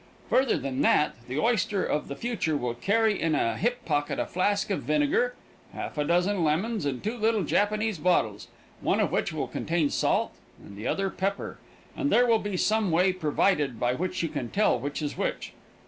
Further than that, the oyster of the future will carry in a hip pocket a flask of vinegar, half a dozen lemons and two little Japanese bottles, one of which will contain salt and the other pepper, and there will be some way provided by which you can tell which is which.